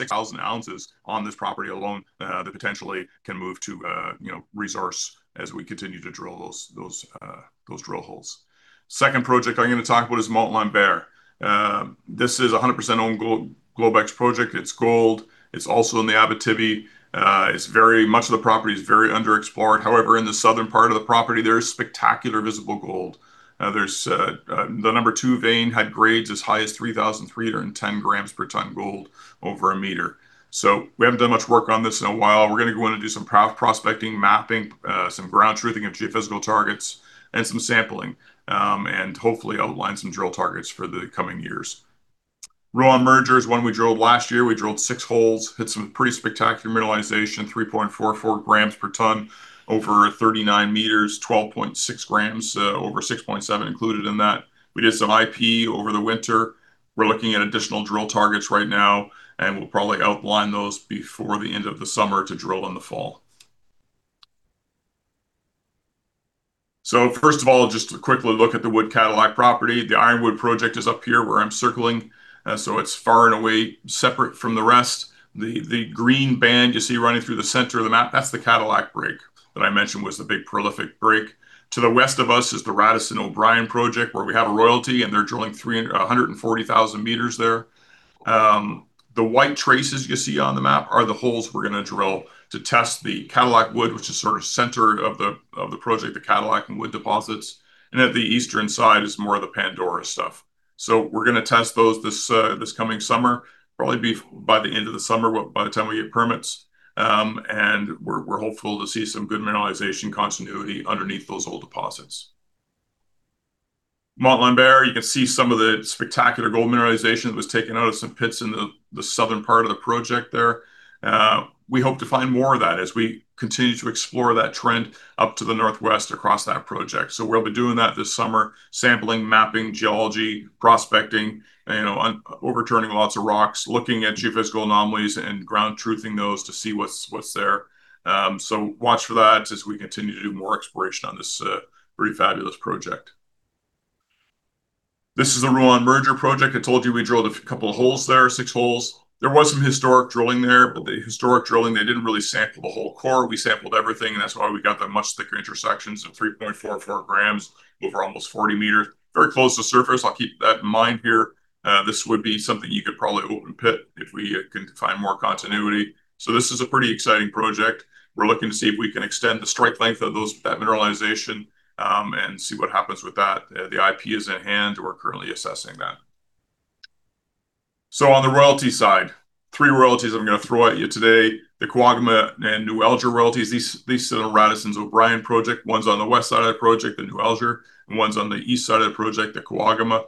6,000 ounces on this property alone that potentially can move to resource as we continue to drill those drill holes. Second project I'm going to talk about is Montalembert. This is 100% owned Globex Mining Enterprises project. It's gold. It's also in the Abitibi. Much of the property is very under-explored. However, in the southern part of the property, there is spectacular visible gold. The number two vein had grades as high as 3,310 g/ton gold over a meter. We haven't done much work on this in a while. We're going to go in and do some prospecting, mapping, some ground truthing of geophysical targets, and some sampling, and hopefully outline some drill targets for the coming years. Rouyn-Merger is one we drilled last year. We drilled six holes, hit some pretty spectacular mineralization, 3.44 g per ton over 39 m, 12.6 g over 6.7 g included in that. We did some IP over the winter. We're looking at additional drill targets right now, and we'll probably outline those before the end of the summer to drill in the fall. First of all, just a quick look at the Wood Cadillac property. The Ironwood project is up here where I'm circling. It's far and away separate from the rest. The green band you see running through the center of the map, that's the Cadillac break that I mentioned was the big prolific break. To the west of us is the Radisson-O'Brien project where we have a royalty and they're drilling 140,000 m there. The white traces you see on the map are the holes we're going to drill to test the Cadillac-Wood, which is sort of centered of the project, the Cadillac and Wood deposits. At the eastern side is more of the Pandora stuff. We're going to test those this coming summer, probably be by the end of the summer by the time we get permits. We're hopeful to see some good mineralization continuity underneath those old deposits. Montalembert, you can see some of the spectacular gold mineralization that was taken out of some pits in the southern part of the project there. We hope to find more of that as we continue to explore that trend up to the northwest across that project. We'll be doing that this summer, sampling, mapping, geology, prospecting, overturning lots of rocks, looking at geophysical anomalies, and ground truthing those to see what's there. Watch for that as we continue to do more exploration on this very fabulous project. This is the Rouyn-Merger project. I told you we drilled a couple holes there, six holes. There was some historic drilling there. The historic drilling, they didn't really sample the whole core. We sampled everything. That's why we got the much thicker intersections of 3.44 g over almost 40 m. Very close to surface. I'll keep that in mind here. This would be something you could probably open pit if we can find more continuity. This is a pretty exciting project. We're looking to see if we can extend the strike length of that mineralization and see what happens with that. The IP is at hand. We're currently assessing that. On the royalty side, three royalties I'm going to throw at you today. The Kewagama and New Alger royalties, these sit on Radisson's O'Brien Project. One's on the west side of the project, the New Alger, and one's on the east side of the project, the Kewagama.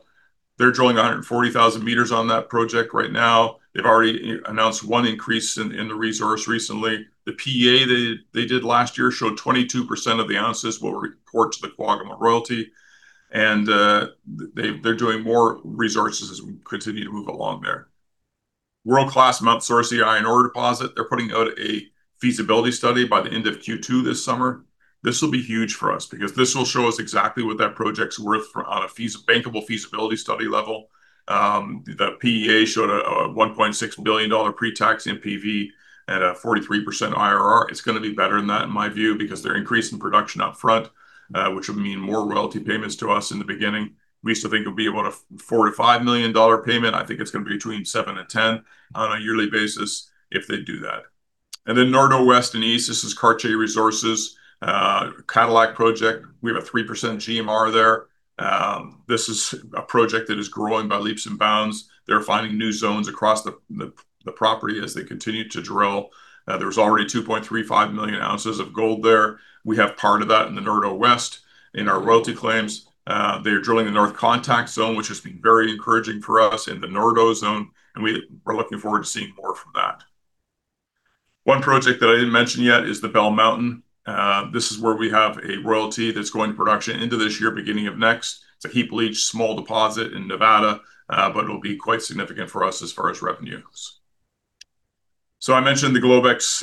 They're drilling 140,000 m on that project right now. They've already announced 1 increase in the resource recently. The PEA they did last year showed 22% of the ounces will report to the Kewagama royalty, and they're doing more resources as we continue to move along there. World-class Mont Sorcier iron ore deposit. They're putting out a feasibility study by the end of Q2 this summer. This will be huge for us because this will show us exactly what that project's worth on a bankable feasibility study level. The PEA showed a 1.6 billion dollar pre-tax NPV at a 43% IRR. It's going to be better than that in my view because they're increasing production up front, which will mean more royalty payments to us in the beginning. We used to think it would be about a 4 million-5 million dollar payment. I think it's going to be between 7 and 10 on a yearly basis if they do that. Nordau West and East, this is Cartier Resources' Cadillac Project. We have a 3% GMR there. This is a project that is growing by leaps and bounds. They're finding new zones across the property as they continue to drill. There's already 2.35 million ounces of gold there. We have part of that in the Nordau West in our royalty claims. They are drilling the North Contact Zone, which has been very encouraging for us in the Nordau Zone, and we're looking forward to seeing more from that. One project that I didn't mention yet is the Bell Mountain. This is where we have a royalty that's going to production into this year, beginning of next. It's a heap leach small deposit in Nevada, but it'll be quite significant for us as far as revenues. I mentioned the Globex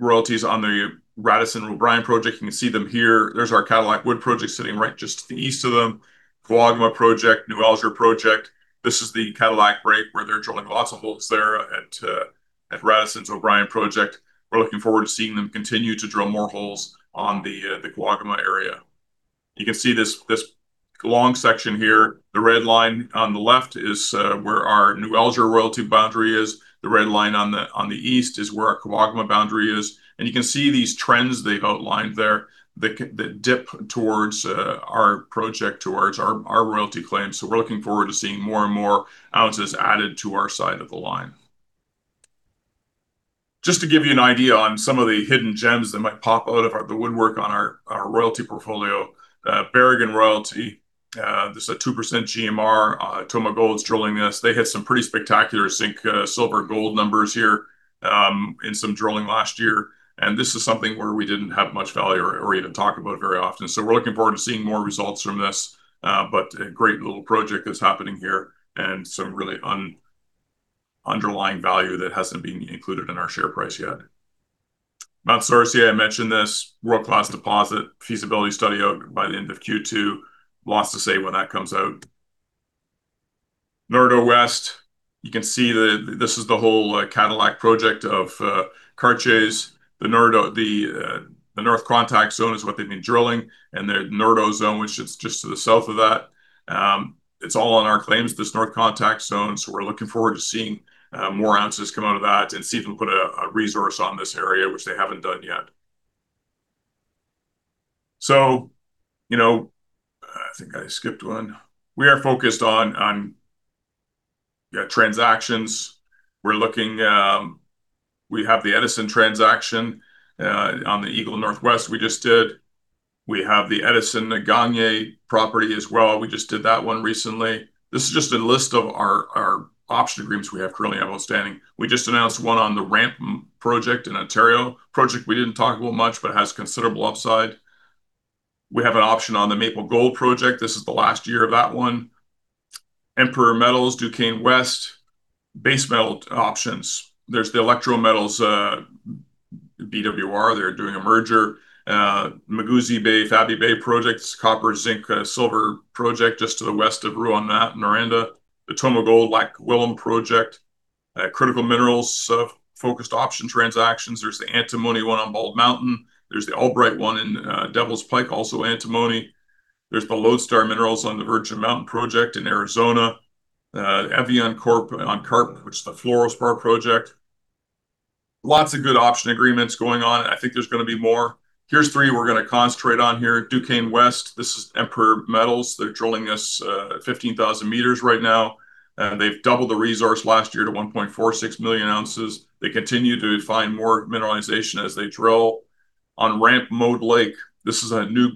royalties on the Radisson-O'Brien Project. You can see them here. There's our Cadillac Wood Project sitting right just to the east of them. Kewagama Project, New Alger Project. This is the Cadillac break where they're drilling lots of holes there at Radisson's O'Brien Project. We're looking forward to seeing them continue to drill more holes on the Kewagama area. You can see this long section here. The red line on the left is where our New Alger royalty boundary is. The red line on the east is where our Kewagama boundary is. You can see these trends they've outlined there that dip towards our project, towards our royalty claims. We're looking forward to seeing more and more ounces added to our side of the line. Just to give you an idea on some of the hidden gems that might pop out of the woodwork on our royalty portfolio. Berrigan royalty, this is a 2% GMR. TomaGold's drilling this. They hit some pretty spectacular zinc, silver, gold numbers here in some drilling last year. This is something where we didn't have much value or even talk about very often. We're looking forward to seeing more results from this, but a great little project that's happening here and some really underlying value that hasn't been included in our share price yet. Mont Sorcier, I mentioned this, world-class deposit feasibility study out by the end of Q2. Lots to say when that comes out. Nordau West, you can see this is the whole Cadillac Project of Cartier's. The North Contact Zone is what they've been drilling, and the Nordau Zone, which is just to the south of that. It's all on our claims, this North Contact Zone. We're looking forward to seeing more ounces come out of that and see if we can put a resource on this area, which they haven't done yet. I think I skipped one. We are focused on transactions. We have the Edison transaction on the Eagle Northwest we just did. We have the Edison [Nganné] property as well. We just did that one recently. This is just a list of our option agreements we currently have outstanding. We just announced one on the Ramp project in Ontario, a project we didn't talk about much, but it has considerable upside. We have an option on the Maple Gold project. This is the last year of that one. Emperor Metals, Duquesne West, base metal options. There's the Electro Metals, BWR. They're doing a merger. Magusi Bay, Fabie Bay projects, copper, zinc, silver project just to the west of Rouyn-Noranda. The TomaGold [Lac Ouillom] project. Critical minerals focused option transactions. There's the antimony one on Bald Mountain. There's the Albright one in Devil's Pike, also antimony. There's the Lodestar Minerals on the Virgin Mountain project in Arizona. Evion Corp on CARP, which is the fluorspar project. Lots of good option agreements going on. I think there's going to be more. Here's three we're going to concentrate on here. Duquesne West, this is Emperor Metals. They're drilling us 15,000 m right now. They've doubled the resource last year to 1.46 million ounces. They continue to find more mineralization as they drill. On Ramp Maude Lake, this is a new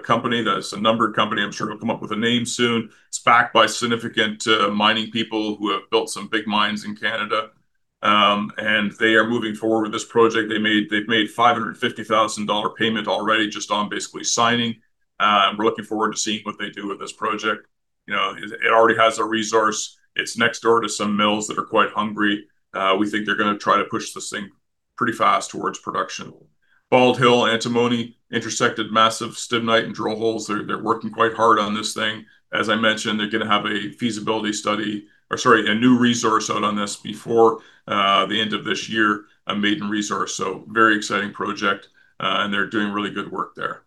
company that's a numbered company. I'm sure it'll come up with a name soon. It's backed by significant mining people who have built some big mines in Canada, and they are moving forward with this project. They've made a 550,000 dollar payment already just on basically signing. We're looking forward to seeing what they do with this project. It already has a resource. It's next door to some mills that are quite hungry. We think they're going to try to push this thing pretty fast towards production. Bald Hill antimony intersected massive stibnite in drill holes. They're working quite hard on this thing. As I mentioned, they're going to have a feasibility study, or sorry, a new resource out on this before the end of this year, a maiden resource. Very exciting project, and they're doing really good work there.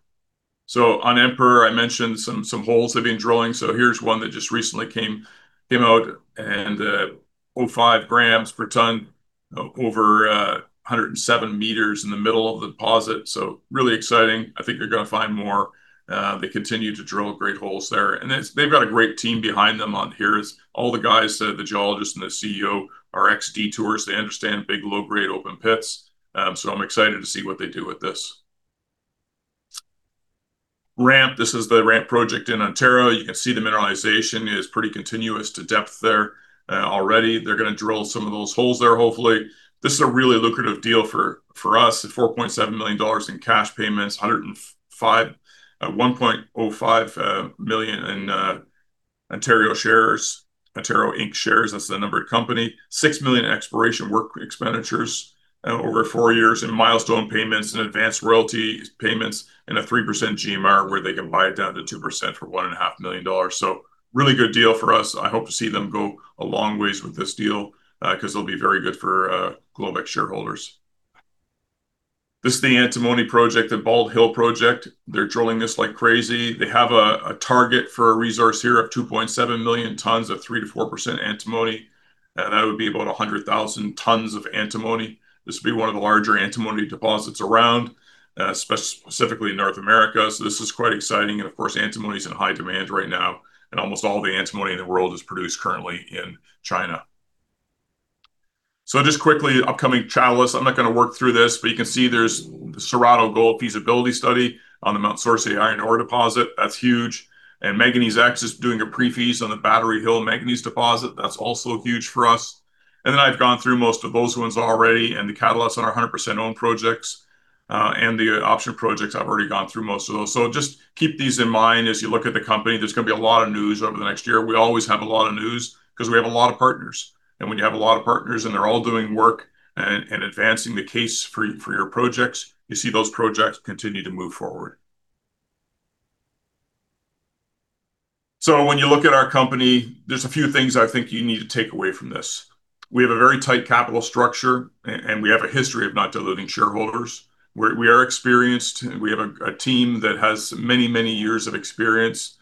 On Emperor, I mentioned some holes they've been drilling. Here's one that just recently came out, 0.5 g per ton over 107 m in the middle of the deposit. Really exciting. I think they're going to find more. They continue to drill great holes there, and they've got a great team behind them on here. It's all the guys, the geologists and the CEO are ex-Detour Gold. They understand big, low-grade open pits. I'm excited to see what they do with this. Ramp. This is the Ramp project in Ontario. You can see the mineralization is pretty continuous to depth there already. They're going to drill some of those holes there, hopefully. This is a really lucrative deal for us at 4.7 million dollars in cash payments, 1.05 million in Ontario Inc shares. That's the numbered company. 6 million exploration work expenditures over four years in milestone payments and advanced royalty payments and a 3% GMR where they can buy it down to 2% for 1.5 million dollars. Really good deal for us. I hope to see them go a long ways with this deal, because it'll be very good for Globex shareholders. This is the antimony project, the Bald Hill project. They're drilling this like crazy. They have a target for a resource here of 2.7 million tons of 3%-4% antimony. That would be about 100,000 tons of antimony. This would be one of the larger antimony deposits around, specifically in North America. This is quite exciting, and of course, antimony is in high demand right now. Almost all the antimony in the world is produced currently in China. Just quickly, upcoming trial list. I'm not going to work through this, but you can see there's the Cerrado Gold feasibility study on the Mont Sorcier iron ore deposit. That's huge. Manganese X is doing a pre-feas on the Battery Hill manganese deposit. That's also huge for us. I've gone through most of those ones already and the catalysts on our 100% owned projects, and the option projects, I've already gone through most of those. Just keep these in mind as you look at the company. There's going to be a lot of news over the next year. We always have a lot of news because we have a lot of partners. When you have a lot of partners and they're all doing work and advancing the case for your projects, you see those projects continue to move forward. When you look at our company, there's a few things I think you need to take away from this. We have a very tight capital structure, and we have a history of not diluting shareholders. We are experienced. We have a team that has many years of experience.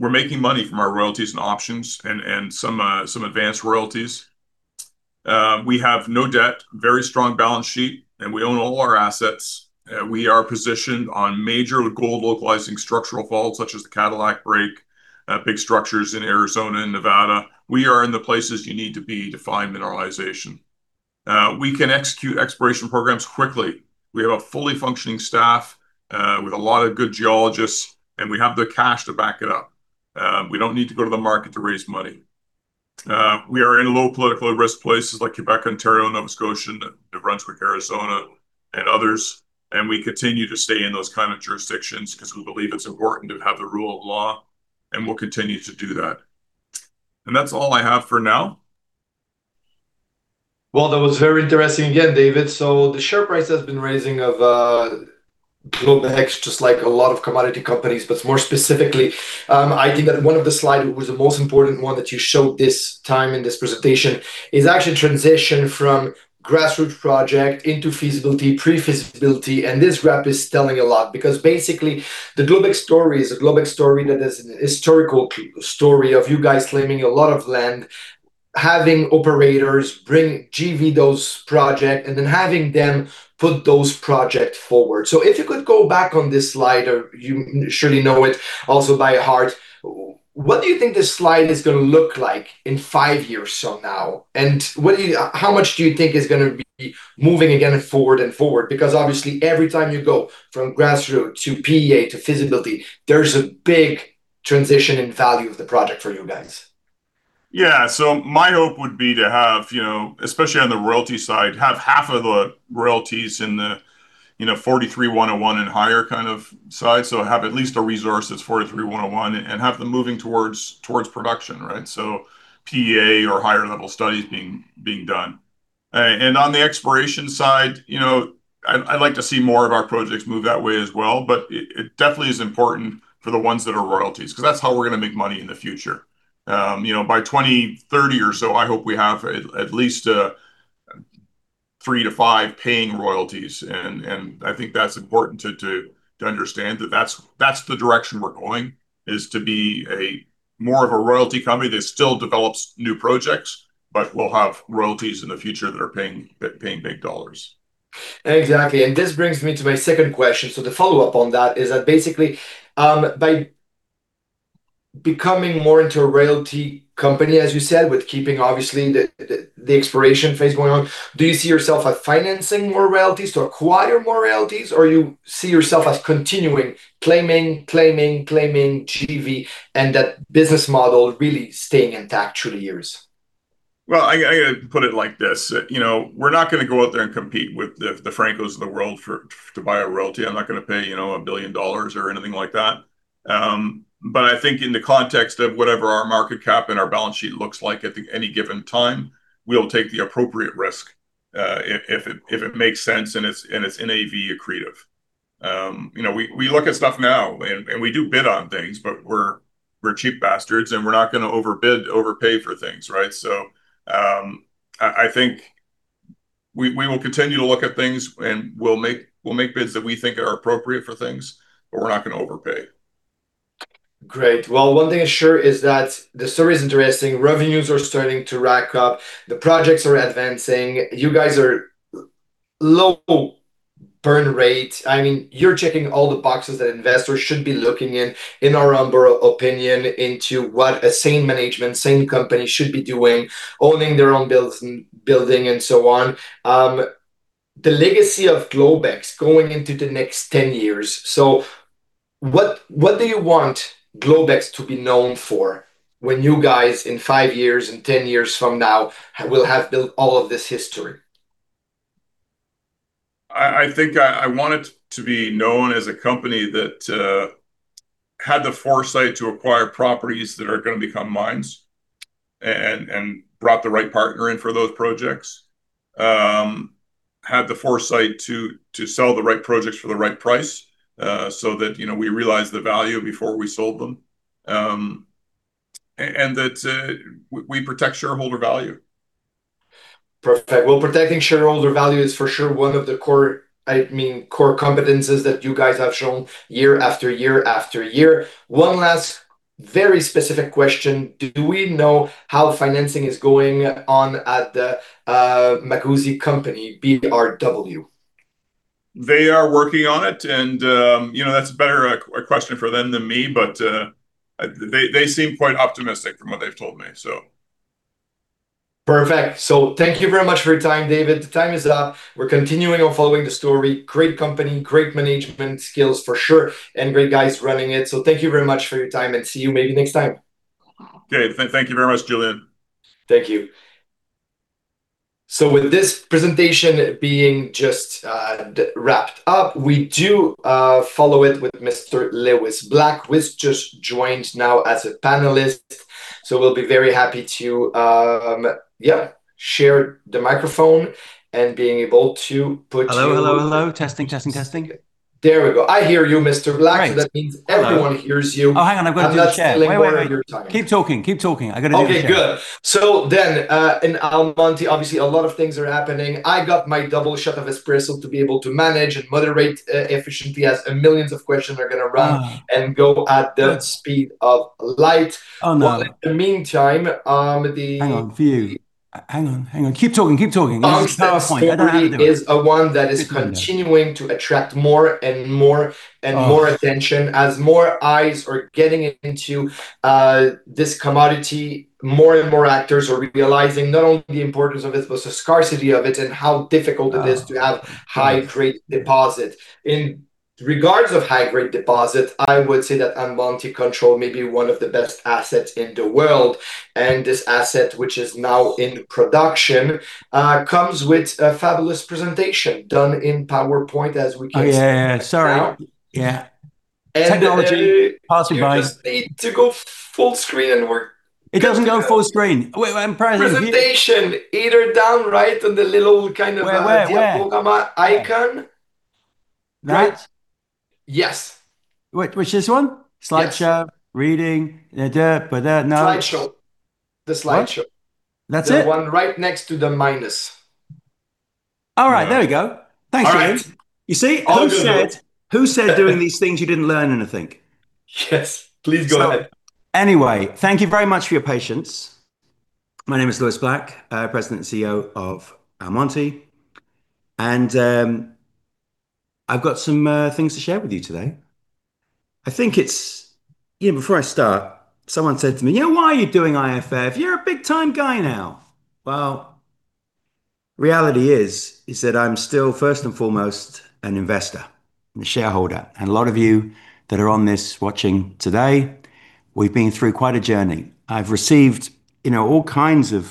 We're making money from our royalties and options and some advanced royalties. We have no debt, very strong balance sheet, and we own all our assets. We are positioned on major gold localizing structural faults such as the Cadillac Break, big structures in Arizona and Nevada. We are in the places you need to be to find mineralization. We can execute exploration programs quickly. We have a fully functioning staff with a lot of good geologists, and we have the cash to back it up. We don't need to go to the market to raise money. We are in low political risk places like Quebec, Ontario, Nova Scotia, New Brunswick, Arizona and others. We continue to stay in those kind of jurisdictions because we believe it's important to have the rule of law, and we'll continue to do that. That's all I have for now. That was very interesting again, David. The share price has been raising of Globex just like a lot of commodity companies. More specifically, I think that one of the slide was the most important one that you showed this time in this presentation is actually transition from grassroots project into feasibility, pre-feasibility. This graph is telling a lot because basically the Globex story is a Globex story that is an historical story of you guys claiming a lot of land, having operators bring JV those project, and then having them put those project forward. If you could go back on this slide, or you surely know it also by heart, what do you think this slide is going to look like in five years from now? How much do you think is going to be moving again forward and forward? Obviously every time you go from grassroots to PEA to feasibility, there's a big transition in value of the project for you guys. Yeah. My hope would be to have, especially on the royalty side, have half of the royalties in the 43-101 and higher kind of side. Have at least a resource that's 43-101 and have them moving towards production, right? PEA or higher level studies being done. On the exploration side, I'd like to see more of our projects move that way as well. It definitely is important for the ones that are royalties because that's how we're going to make money in the future. By 2030 or so, I hope we have at least three to five paying royalties, and I think that's important to understand that that's the direction we're going, is to be more of a royalty company that still develops new projects, but will have royalties in the future that are paying big dollars. Exactly. This brings me to my second question. The follow-up on that is that basically, by becoming more into a royalty company, as you said, with keeping obviously the exploration phase going on, do you see yourself as financing more royalties to acquire more royalties? Or you see yourself as continuing claiming GV, and that business model really staying intact through the years? Well, I got to put it like this. We're not going to go out there and compete with the Franco-Nevada of the world to buy a royalty. I'm not going to pay 1 billion dollars or anything like that. I think in the context of whatever our market cap and our balance sheet looks like at any given time, we'll take the appropriate risk if it makes sense, and it's NAV accretive. We look at stuff now and we do bid on things, but we're cheap bastards, and we're not going to overbid, overpay for things, right? I think we will continue to look at things, and we'll make bids that we think are appropriate for things, but we're not going to overpay. Great. Well, one thing is sure is that the story is interesting. Revenues are starting to rack up. The projects are advancing. You guys are low burn rate. You're checking all the boxes that investors should be looking in our own opinion, into what a sane management, sane company should be doing, owning their own building, and so on. The legacy of Globex going into the next 10 years. What do you want Globex to be known for when you guys, in five years and 10 years from now, will have built all of this history? I think I want it to be known as a company that had the foresight to acquire properties that are going to become mines and brought the right partner in for those projects. Had the foresight to sell the right projects for the right price so that we realized the value before we sold them, and that we protect shareholder value. Perfect. Well, protecting shareholder value is for sure one of the core competencies that you guys have shown year after year after year. One last very specific question. Do we know how financing is going on at the Magusi company, BWR Exploration? They are working on it. That's a better question for them than me. They seem quite optimistic from what they've told me. Perfect. Thank you very much for your time, David. The time is up. We're continuing on following the story. Great company, great management skills for sure, and great guys running it. Thank you very much for your time and see you maybe next time. Okay. Thank you very much, Julian. Thank you. With this presentation being just wrapped up, we do follow it with Mr. Lewis Black, who has just joined now as a panelist. We'll be very happy to share the microphone. Hello. Testing. There we go. I hear you, Mr. Black. Great. That means everyone hears you. Oh, hang on. I've got to do the share. I'm not stealing more of your time. Wait. Keep talking. I got to do the share. Okay, good. In Almonty, obviously a lot of things are happening. I got my double shot of espresso to be able to manage and moderate efficiently as millions of questions are going to run and go at the speed of light. Oh, no. Well, in the meantime. Hang on. Phew. Hang on. Keep talking. I'll just get to that point. I don't have to do it. Almonty story is a one that is continuing to attract more and more and more attention as more eyes are getting into this commodity. More and more actors are realizing not only the importance of it, but the scarcity of it, and how difficult it is to have high-grade deposit. In regards of high-grade deposit, I would say that Almonty control maybe one of the best assets in the world, and this asset, which is now in production, comes with a fabulous presentation done in PowerPoint as we can see now. Yeah. Sorry. Yeah. Technology, party vibes. You just need to go full screen and work. It doesn't go full screen. Presentation- Where? ...icon. That? Yes. Wait, which this one? Yes. Slideshow, reading. No. Slideshow. What? The slideshow. That's it? The one right next to the minus. All right. There we go. Thanks, James. All right. You see? I'll do that. Who said doing these things you didn't learn anything? Yes. Please go ahead. Thank you very much for your patience. My name is Lewis Black, President and CEO of Almonty. I've got some things to share with you today. Before I start, someone said to me, "Why are you doing IIF? You're a big-time guy now." Well, reality is that I'm still first and foremost an investor and a shareholder, and a lot of you that are on this watching today, we've been through quite a journey. I've received all kinds of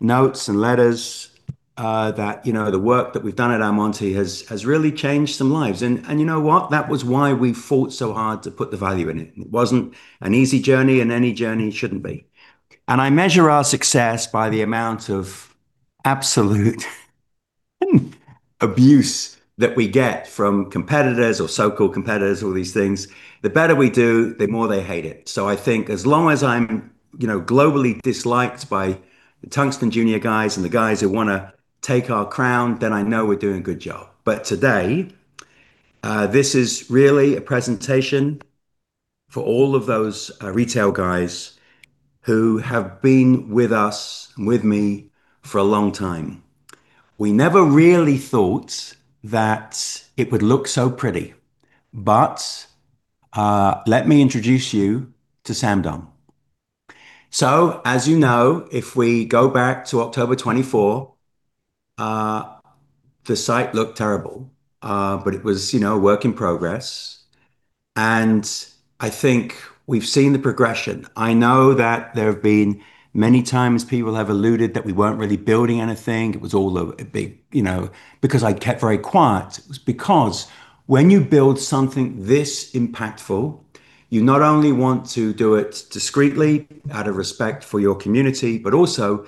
notes and letters that the work that we've done at Almonty has really changed some lives. You know what? That was why we fought so hard to put the value in it. It wasn't an easy journey, and any journey shouldn't be. I measure our success by the amount of absolute abuse that we get from competitors or so-called competitors, all these things. The better we do, the more they hate it. I think as long as I'm globally disliked by the tungsten Junior guys and the guys who want to take our crown, then I know we're doing a good job. Today, this is really a presentation for all of those retail guys who have been with us, and with me, for a long time. We never really thought that it would look so pretty, let me introduce you to Sangdong. As you know, if we go back to October 24, the site looked terrible. It was a work in progress, and I think we've seen the progression. I know that there have been many times people have alluded that we weren't really building anything because I kept very quiet. It was because when you build something this impactful, you not only want to do it discreetly out of respect for your community, but also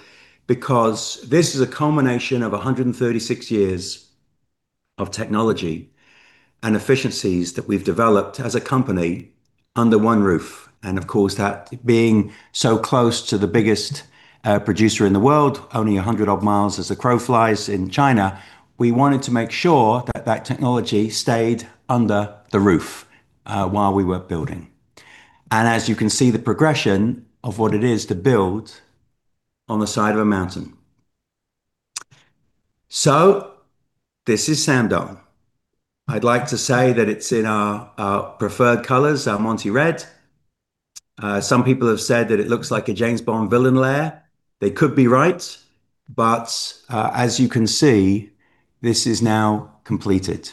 because this is a culmination of 136 years of technology and efficiencies that we've developed as a company under one roof. Of course, that being so close to the biggest producer in the world, only 100 odd miles as the crow flies in China, we wanted to make sure that that technology stayed under the roof while we were building. As you can see, the progression of what it is to build on the side of a mountain. This is Sangdong. I'd like to say that it's in our preferred colors, Almonty red. Some people have said that it looks like a James Bond villain lair. They could be right. As you can see, this is now completed.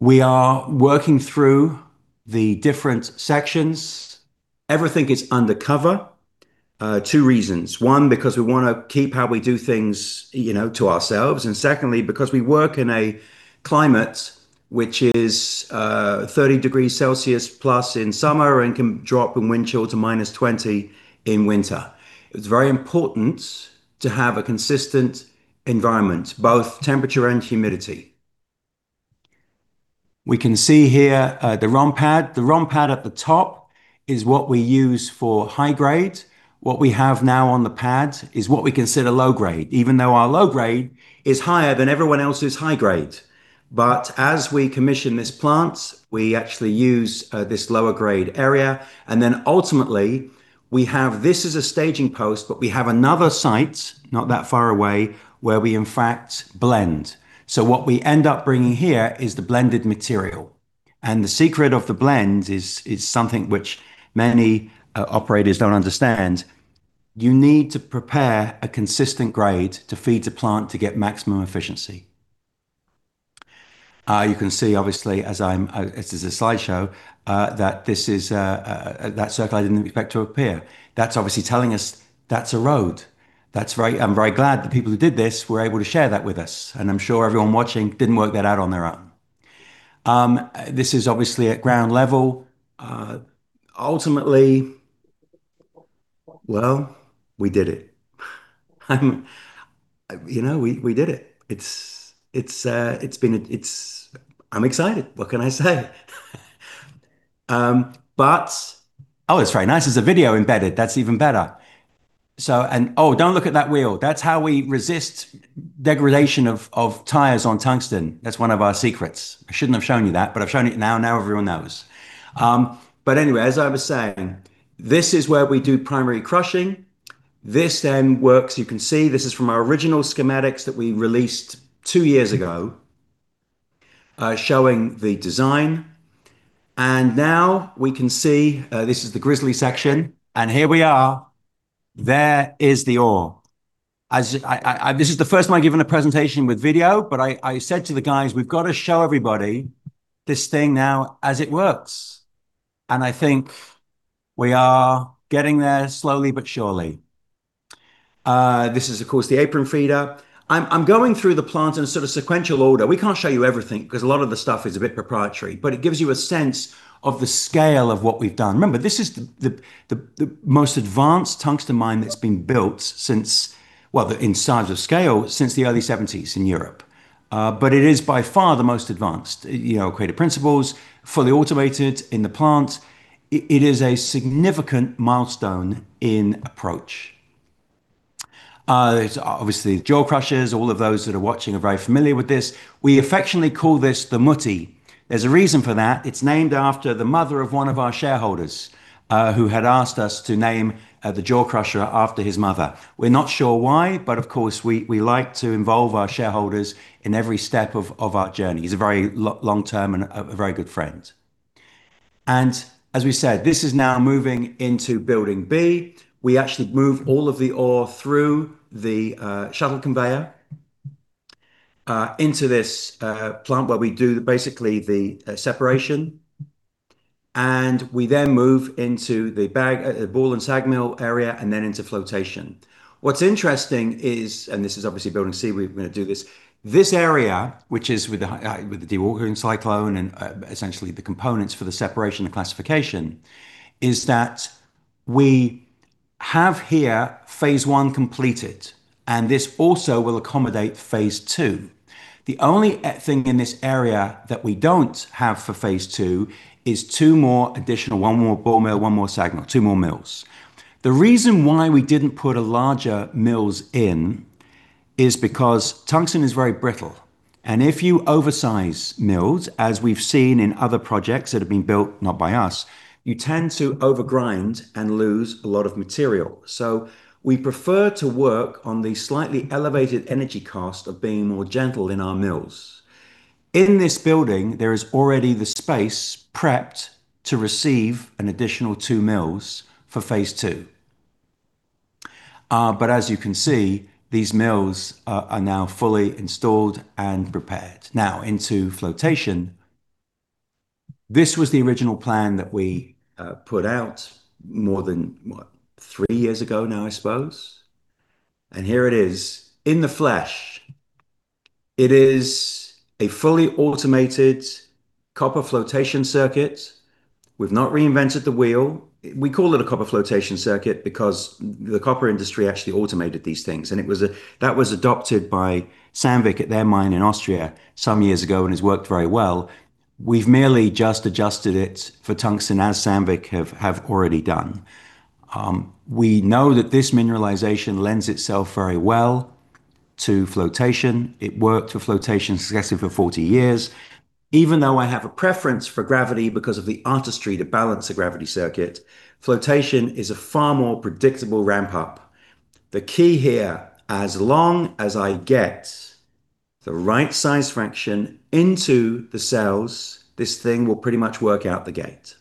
We are working through the different sections. Everything is undercover. Two reasons. One, because we want to keep how we do things to ourselves, and secondly, because we work in a climate which is 30 degrees Celsius plus in summer and can drop in wind chill to -20 in winter. It's very important to have a consistent environment, both temperature and humidity. We can see here the ROM pad. The ROM pad at the top is what we use for high grade. What we have now on the pad is what we consider low grade, even though our low grade is higher than everyone else's high grade. As we commission this plant, we actually use this lower grade area, and then ultimately we have this as a staging post, but we have another site not that far away where we in fact blend. What we end up bringing here is the blended material, and the secret of the blend is something which many operators don't understand. You need to prepare a consistent grade to feed the plant to get maximum efficiency. You can see obviously as this is a slideshow, that circle I didn't expect to appear. That's obviously telling us that's a road. I'm very glad the people who did this were able to share that with us, and I'm sure everyone watching didn't work that out on their own. This is obviously at ground level. Ultimately, well, we did it. We did it. I'm excited, what can I say? It's very nice. There's a video embedded. That's even better. Don't look at that wheel. That's how we resist degradation of tires on tungsten. That's one of our secrets. I shouldn't have shown you that. I've shown it now. Now everyone knows. Anyway, as I was saying, this is where we do primary crushing. This works, you can see this is from our original schematics that we released two years ago showing the design. Now we can see this is the grizzly section. Here we are. There is the ore. This is the first time I've given a presentation with video, but I said to the guys, "We've got to show everybody this thing now as it works." I think we are getting there slowly but surely. This is, of course, the apron feeder. I'm going through the plant in a sort of sequential order. We can't show you everything, because a lot of the stuff is a bit proprietary, but it gives you a sense of the scale of what we've done. Remember, this is the most advanced tungsten mine that's been built, in size of scale, since the early 1970s in Europe. It is by far the most advanced. Created principles, fully automated in the plant. It is a significant milestone in approach. There's obviously jaw crushers. All of those that are watching are very familiar with this. We affectionately call this the Mutti. There's a reason for that. It's named after the mother of one of our shareholders, who had asked us to name the jaw crusher after his mother. We're not sure why, but of course, we like to involve our shareholders in every step of our journey. He's a very long-term and a very good friend. As we said, this is now moving into Building B. We actually move all of the ore through the shuttle conveyor into this plant where we do basically the separation. We then move into the ball and sag mill area, and then into flotation. What's interesting is this is obviously Building C, we're going to do this. This area, which is with the dewatering cyclone and essentially the components for the separation and classification, is that we have here phase I completed. This also will accommodate phase II. The only thing in this area that we don't have for phase II is two more additional, one more ball mill, one more sag mill, two more mills. The reason why we didn't put larger mills in is because tungsten is very brittle, and if you oversize mills, as we've seen in other projects that have been built not by us, you tend to over-grind and lose a lot of material. We prefer to work on the slightly elevated energy cost of being more gentle in our mills. In this building, there is already the space prepped to receive an additional two mills for phase II. As you can see, these mills are now fully installed and prepared. Now into flotation. This was the original plan that we put out more than, what, three years ago now, I suppose. Here it is in the flesh. It is a fully automated copper flotation circuit. We've not reinvented the wheel. We call it a copper flotation circuit because the copper industry actually automated these things, and that was adopted by Sandvik at their mine in Austria some years ago, and has worked very well. We've merely just adjusted it for tungsten, as Sandvik have already done. We know that this mineralization lends itself very well to flotation. It worked for flotation successfully for 40 years. Even though I have a preference for gravity because of the artistry to balance a gravity circuit, flotation is a far more predictable ramp-up. The key here, as long as I get the right size fraction into the cells, this thing will pretty much work out the gate.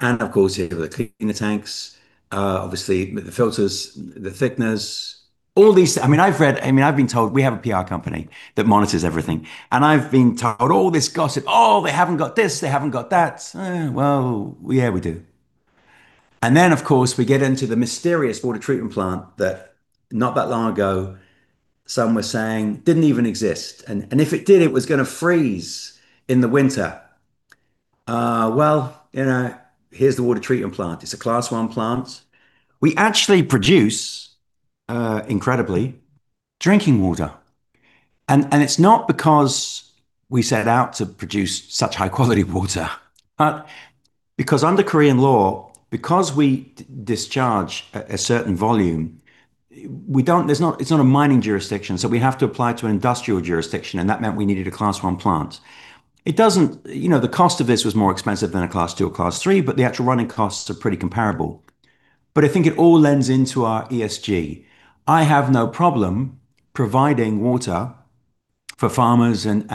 Of course, here are the cleaner tanks. Obviously the filters, the thickness, all these I've been told, we have a PR company that monitors everything, and I've been told all this gossip, "Oh, they haven't got this, they haven't got that." Well, yeah, we do. Then, of course, we get into the mysterious water treatment plant that not that long ago, some were saying didn't even exist, and if it did, it was going to freeze in the winter. Well, here's the water treatment plant. It's a Class A1 plant. We actually produce, incredibly, drinking water. It's not because we set out to produce such high-quality water, but because under Korean law, because we discharge a certain volume, it's not a mining jurisdiction, so we have to apply to an industrial jurisdiction, and that meant we needed a Class A1 plant. The cost of this was more expensive than a Class A2 or Class A3, but the actual running costs are pretty comparable. I think it all lends into our ESG. I have no problem providing water for farmers and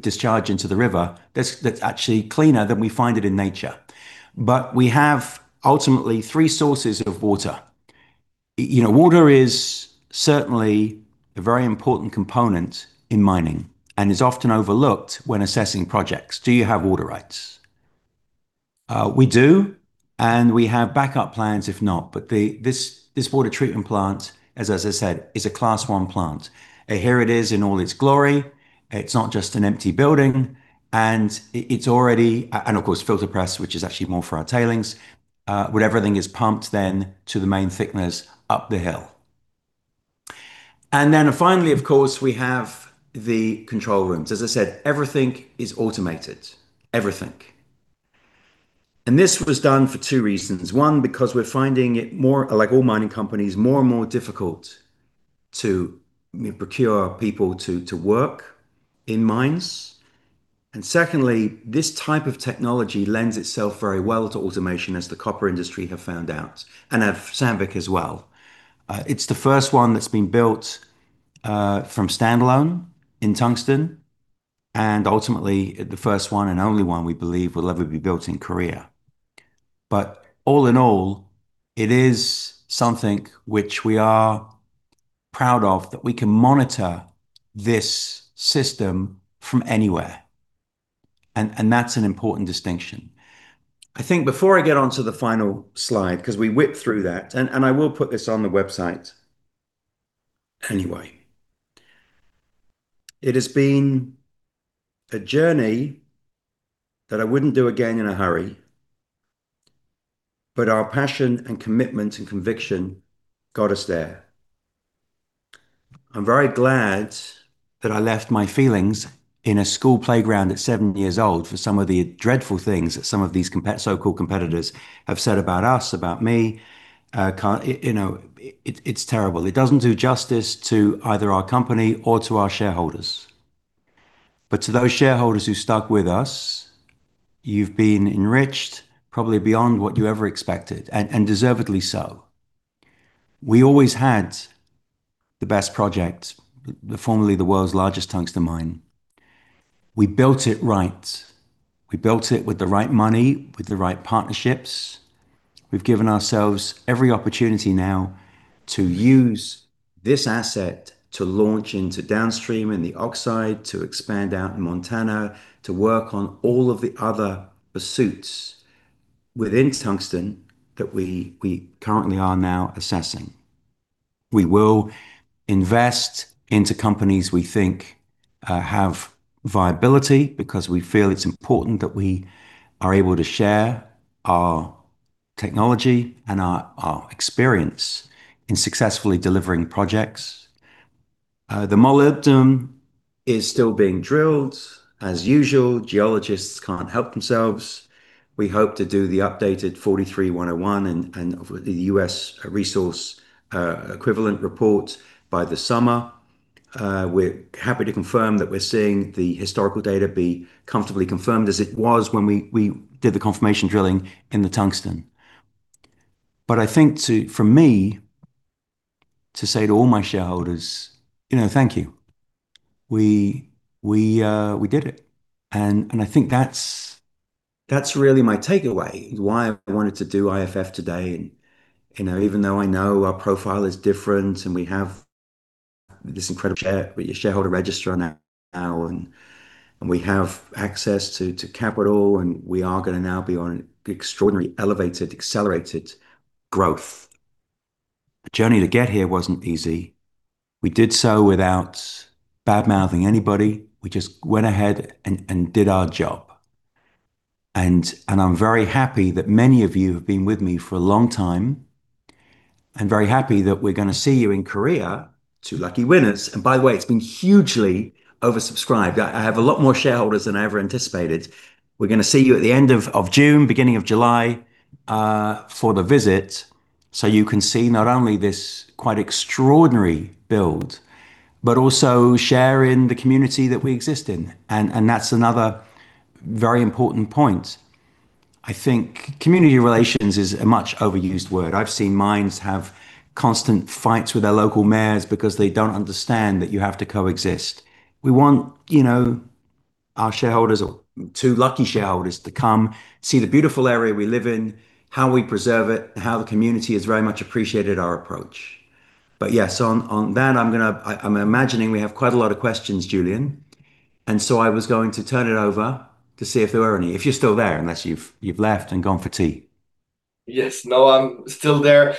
discharge into the river that's actually cleaner than we find it in nature. We have ultimately three sources of water. Water is certainly a very important component in mining and is often overlooked when assessing projects. Do you have water rights? We do, and we have backup plans if not. This water treatment plant, as I said, is a Class A1 plant. Here it is in all its glory. It's not just an empty building. Of course, filter press, which is actually more for our tailings, where everything is pumped then to the main thickeners up the hill. Finally, of course, we have the control rooms. As I said, everything is automated. Everything. This was done for two reasons. One, because we're finding it, like all mining companies, more and more difficult to procure people to work in mines. Secondly, this type of technology lends itself very well to automation, as the copper industry have found out, and have Sandvik as well. It's the first one that's been built from standalone in tungsten, and ultimately, the first one and one only one we believe will ever be built in Korea. All in all, it is something which we are proud of, that we can monitor this system from anywhere. That's an important distinction. I think before I get onto the final slide, because we whipped through that. I will put this on the website anyway. It has been a journey that I wouldn't do again in a hurry, but our passion and commitment and conviction got us there. I'm very glad that I left my feelings in a school playground at seven years old for some of the dreadful things that some of these so-called competitors have said about us, about me. It's terrible. It doesn't do justice to either our company or to our shareholders. To those shareholders who stuck with us, you've been enriched probably beyond what you ever expected, and deservedly so. We always had the best project, formerly the world's largest tungsten mine. We built it right. We built it with the right money, with the right partnerships. We've given ourselves every opportunity now to use this asset to launch into downstream in the oxide, to expand out in Montana, to work on all of the other pursuits within tungsten that we currently are now assessing. We will invest into companies we think have viability because we feel it's important that we are able to share our technology and our experience in successfully delivering projects. The molybdenum is still being drilled. As usual, geologists can't help themselves. We hope to do the updated 43-101 and the U.S. resource equivalent report by the summer. We're happy to confirm that we're seeing the historical data be comfortably confirmed as it was when we did the confirmation drilling in the tungsten. I think for me, to say to all my shareholders, thank you. We did it, and I think that's really my takeaway, why I wanted to do IIF today. Even though I know our profile is different and we have this incredible shareholder register now, and we have access to capital, and we are going to now be on extraordinary elevated, accelerated growth. The journey to get here wasn't easy. We did so without badmouthing anybody. We just went ahead and did our job. I'm very happy that many of you have been with me for a long time, and very happy that we're going to see you in Korea, two lucky winners. By the way, it's been hugely oversubscribed. I have a lot more shareholders than I ever anticipated. We're going to see you at the end of June, beginning of July, for the visit. You can see not only this quite extraordinary build, but also share in the community that we exist in. That's another very important point. I think community relations is a much overused word. I've seen mines have constant fights with their local mayors because they don't understand that you have to coexist. We want our shareholders, or two lucky shareholders, to come see the beautiful area we live in, how we preserve it, and how the community has very much appreciated our approach. I'm imagining we have quite a lot of questions, Julian, I was going to turn it over to see if there were any, if you're still there, unless you've left and gone for tea. Yes. No, I'm still there,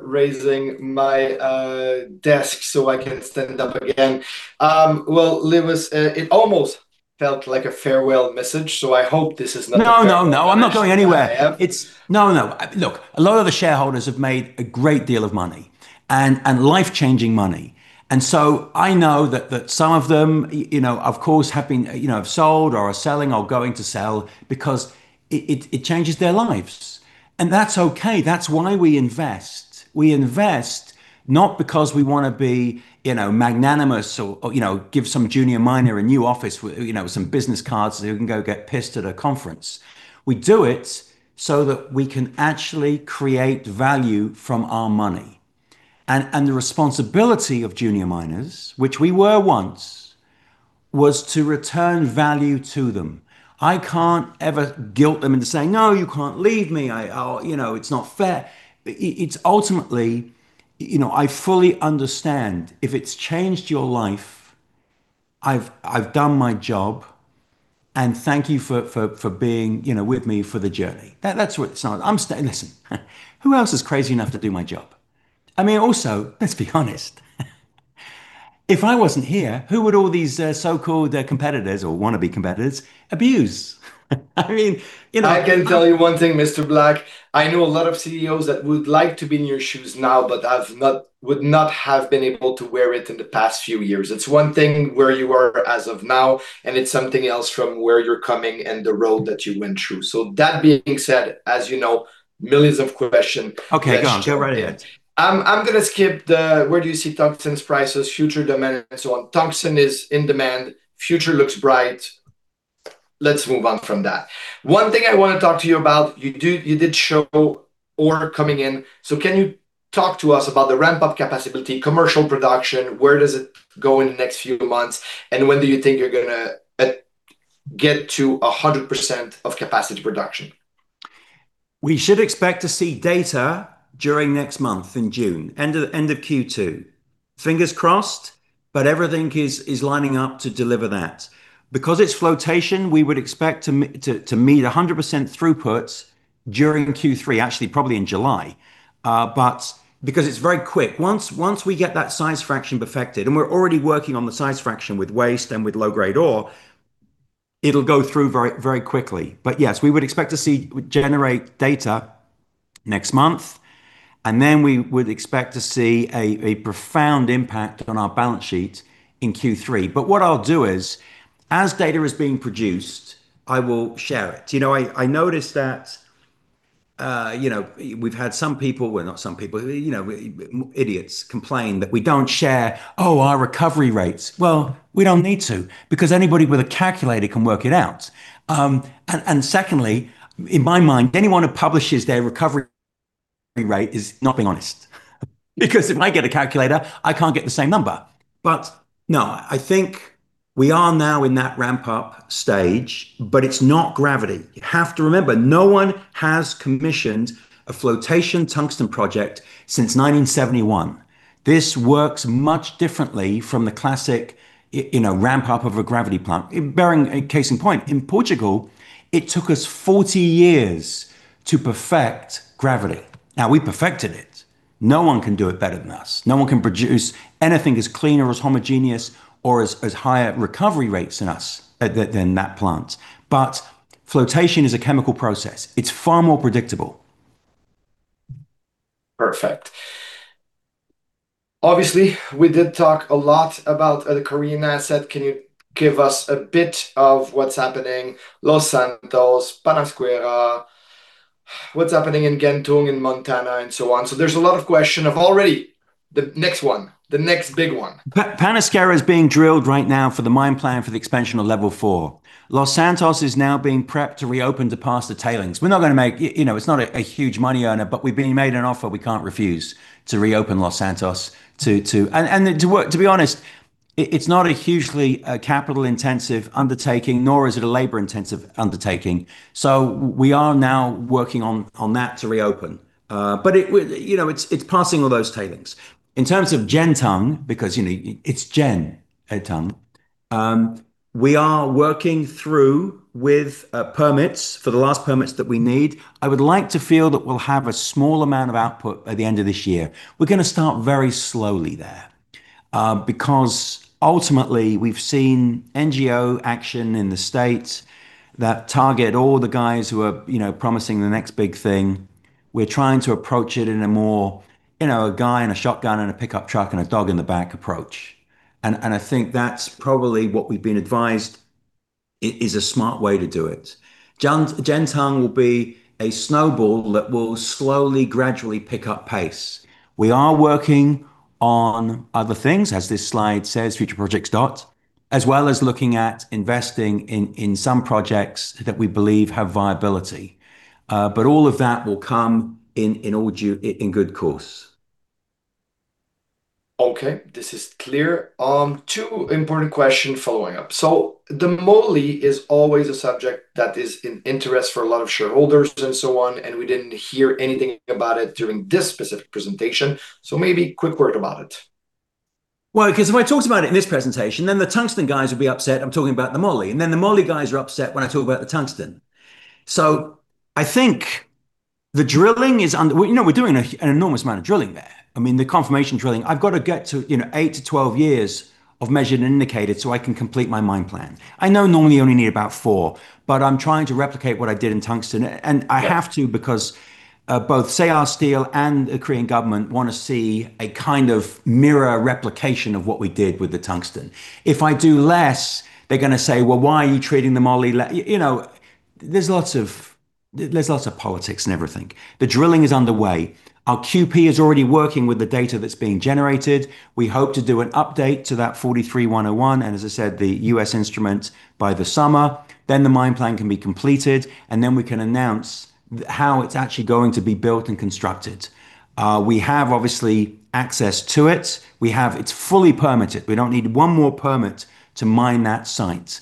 raising my desk so I can stand up again. Well, Lewis Black, it almost felt like a farewell message, so I hope this is not a farewell message. No, I'm not going anywhere. I have. No. Look, a lot of the shareholders have made a great deal of money, and life-changing money. I know that some of them, of course, have sold or are selling or going to sell because it changes their lives. That's okay. That's why we invest. We invest not because we want to be magnanimous or give some junior miner a new office with some business cards so he can go get pissed at a conference. We do it so that we can actually create value from our money. The responsibility of junior miners, which we were once, was to return value to them. I can't ever guilt them into saying, "No, you can't leave me. It's not fair." It's ultimately, I fully understand if it's changed your life, I've done my job, and thank you for being with me for the journey. Listen, who else is crazy enough to do my job? Also, let's be honest, if I wasn't here, who would all these so-called competitors or want-to-be competitors abuse? I can tell you one thing, Mr. Black, I know a lot of CEOs that would like to be in your shoes now but would not have been able to wear it in the past few years. It's one thing where you are as of now, and it's something else from where you're coming and the road that you went through. That being said, you know. Okay, go on. Go right ahead. I'm going to skip the where do you see tungsten's prices, future demand, and so on. Tungsten is in demand. Future looks bright. Let's move on from that. One thing I want to talk to you about, you did show ore coming in. Can you talk to us about the ramp-up capacity, commercial production? Where does it go in the next few months, and when do you think you're going to get to 100% of capacity production? We should expect to see data during next month in June, end of Q2. Fingers crossed. Everything is lining up to deliver that. Because it's flotation, we would expect to meet 100% throughputs during Q3, actually probably in July, but because it's very quick. Once we get that size fraction perfected, and we're already working on the size fraction with waste and with low-grade ore, it'll go through very quickly. Yes, we would expect to generate data next month. We would expect to see a profound impact on our balance sheet in Q3. What I'll do is, as data is being produced, I will share it. I noticed that we've had some people, well not some people, idiots complain that we don't share our recovery rates. Well, we don't need to because anybody with a calculator can work it out. Secondly, in my mind, anyone who publishes their recovery rate is not being honest because if I get a calculator, I can't get the same number. No, I think we are now in that ramp-up stage, but it's not gravity. You have to remember, no one has commissioned a flotation tungsten project since 1971. This works much differently from the classic ramp-up of a gravity plant. Case in point, in Portugal it took us 40 years to perfect gravity. Now we perfected it. No one can do it better than us. No one can produce anything as clean or as homogeneous or as high a recovery rates than that plant. Flotation is a chemical process. It's far more predictable. Perfect. Obviously, we did talk a lot about the Korean asset. Can you give us a bit of what's happening, Los Santos, Panasqueira, what's happening in Gentung, in Montana, and so on? There's a lot of question of already the next one, the next big one. Panasqueira is being drilled right now for the mine plan for the expansion of level four. Los Santos is now being prepped to reopen to pass the tailings. It's not a huge money earner, but we've been made an offer we can't refuse to reopen Los Santos. To be honest, it's not a hugely capital-intensive undertaking, nor is it a labor-intensive undertaking. We are now working on that to reopen. It's passing all those tailings. In terms of Gentung, because it's Gentung, we are working through with permits for the last permits that we need. I would like to feel that we'll have a small amount of output by the end of this year. We're going to start very slowly there, because ultimately we've seen NGO action in the U.S. that target all the guys who are promising the next big thing. We're trying to approach it in a more, a guy and a shotgun and a pickup truck and a dog in the back approach. I think that's probably what we've been advised is a smart way to do it. Gentung will be a snowball that will slowly, gradually pick up pace. We are working on other things, as this slide says, future projects dot, as well as looking at investing in some projects that we believe have viability. All of that will come in good course. Okay. This is clear. Two important questions following up. The Moly is always a subject that is in interest for a lot of shareholders and so on, and we didn't hear anything about it during this specific presentation. Maybe quick word about it. Because if I talked about it in this presentation, then the tungsten guys would be upset I'm talking about the Moly, and then the Moly guys are upset when I talk about the tungsten. We're doing an enormous amount of drilling there. The confirmation drilling. I've got to get to 8-12 years of measured and indicated so I can complete my mine plan. I know normally you only need about four, but I'm trying to replicate what I did in tungsten. I have to because both SeAH Steel and the Korean government want to see a kind of mirror replication of what we did with the tungsten. There's lots of politics in everything. The drilling is underway. Our QP is already working with the data that's being generated. We hope to do an update to that 43-101, and as I said, the U.S. instruments by the summer. The mine plan can be completed, and then we can announce how it's actually going to be built and constructed. We have, obviously, access to it. It's fully permitted. We don't need one more permit to mine that site.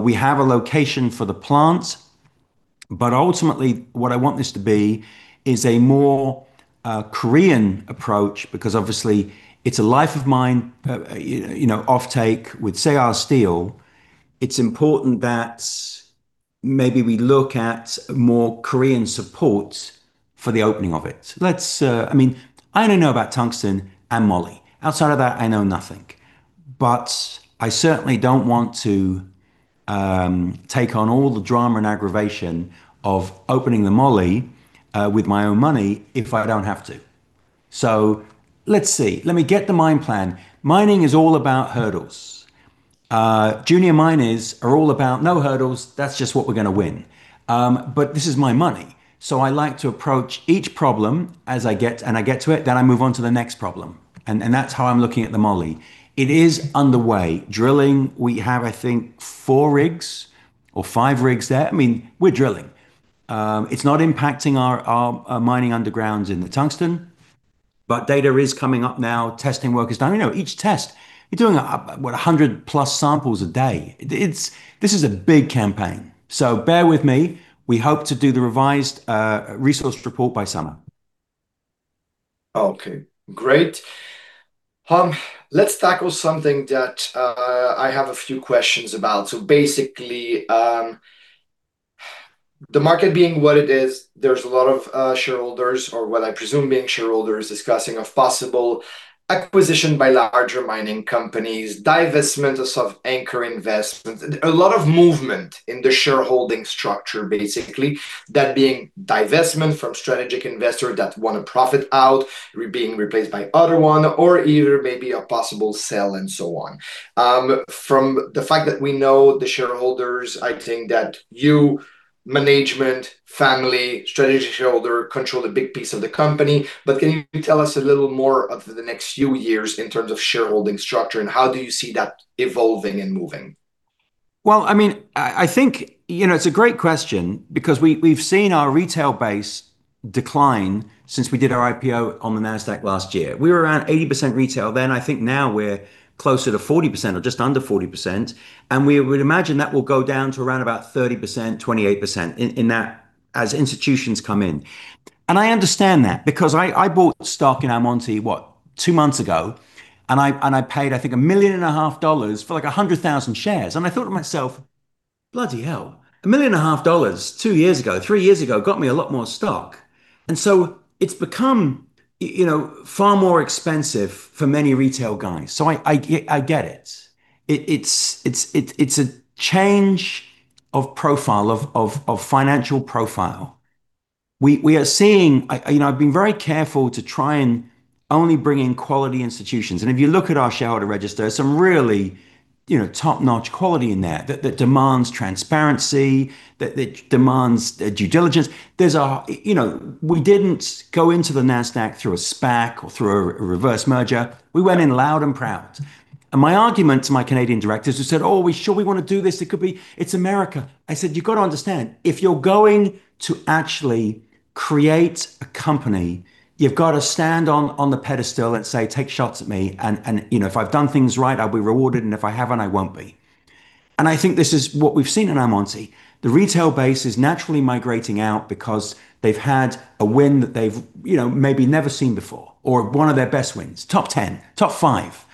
We have a location for the plant, ultimately what I want this to be is a more Korean approach, because obviously it's a life of mine off-take with SeAH Steel. It's important that maybe we look at more Korean support for the opening of it. I only know about tungsten and Moly. Outside of that, I know nothing. I certainly don't want to take on all the drama and aggravation of opening the Moly with my own money if I don't have to. Let's see. Let me get the mine plan. Mining is all about hurdles. Junior miners are all about no hurdles, that's just what we're going to win. This is my money, so I like to approach each problem as I get to it, then I move on to the next problem. That's how I'm looking at the Moly. It is underway. Drilling, we have, I think, four rigs or five rigs there. We're drilling. It's not impacting our mining undergrounds in the tungsten. Data is coming up now. Testing work is done. Each test, you're doing, what, 100+ samples a day. This is a big campaign. Bear with me. We hope to do the revised resource report by summer. Okay, great. Let's tackle something that I have a few questions about. Basically, the market being what it is, there's a lot of shareholders, or what I presume being shareholders, discussing a possible acquisition by larger mining companies, divestment of anchor investments. A lot of movement in the shareholding structure, basically. That being divestment from strategic investor that want to profit out, being replaced by other one, or either maybe a possible sale and so on. From the fact that we know the shareholders, I think that you, management, family, strategic shareholder, control a big piece of the company. Can you tell us a little more of the next few years in terms of shareholding structure, and how do you see that evolving and moving? I think it's a great question because we've seen our retail base decline since we did our IPO on the Nasdaq last year. We were around 80% retail then. I think now we're closer to 40% or just under 40%, and we would imagine that will go down to around about 30%, 28% as institutions come in. I understand that because I bought stock in Almonty, what, two months ago, and I paid, I think, $1.5 million for, like, 100,000 shares. I thought to myself, Bloody hell, $1.5 million two years ago, three years ago, got me a lot more stock. It's become far more expensive for many retail guys. I get it. It's a change of financial profile. I've been very careful to try and only bring in quality institutions, and if you look at our shareholder register, there's some really top-notch quality in there that demands transparency, that demands due diligence. We didn't go into the Nasdaq through a SPAC or through a reverse merger. We went in loud and proud. My argument to my Canadian Directors who said, "Oh, are we sure we want to do this? It's America." I said, "You've got to understand, if you're going to actually create a company, you've got to stand on the pedestal and say, 'Take shots at me,' and if I've done things right, I'll be rewarded, and if I haven't, I won't be." I think this is what we've seen in Almonty. The retail base is naturally migrating out because they've had a win that they've maybe never seen before, or one of their best wins. Top 10, top five.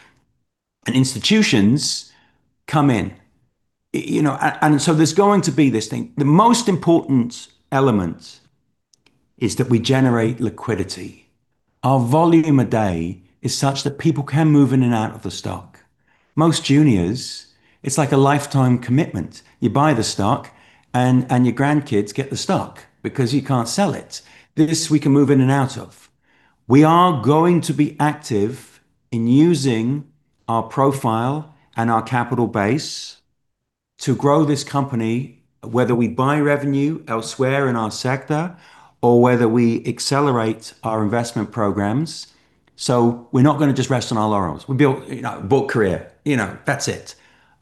Institutions come in. There's going to be this thing. The most important element is that we generate liquidity. Our volume a day is such that people can move in and out of the stock. Most juniors, it's like a lifetime commitment. You buy the stock, and your grandkids get the stock because you can't sell it. This, we can move in and out of. We are going to be active in using our profile and our capital base to grow this company, whether we buy revenue elsewhere in our sector, or whether we accelerate our investment programs. We're not going to just rest on our laurels. We built a career. That's it.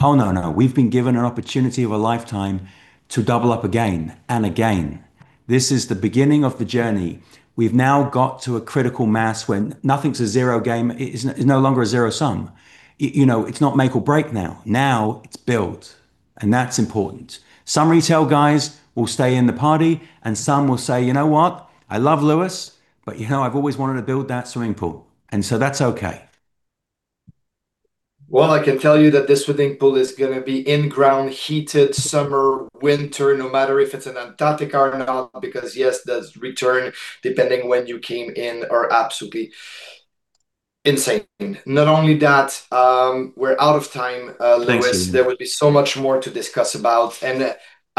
Oh, no. We've been given an opportunity of a lifetime to double up again and again. This is the beginning of the journey. We've now got to a critical mass when nothing's a zero game. It's no longer a zero sum. It's not make or break now. Now it's build, and that's important. Some retail guys will stay in the party, and some will say, "You know what? I love Lewis, but I've always wanted to build that swimming pool." That's okay. Well, I can tell you that this swimming pool is going to be in-ground heated, summer, winter, no matter if it's in Antarctic or not, because, yes, the return, depending when you came in, are absolutely insane. Not only that, we're out of time, Lewis. Thanks, Julian. There will be so much more to discuss about, and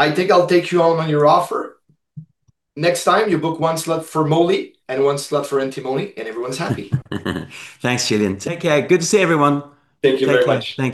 I think I'll take you on your offer. Next time, you book one slot for Moly and one slot for Antimony, and everyone's happy. Thanks, Julian. Take care. Good to see everyone. Thank you very much. Take care. Thanks.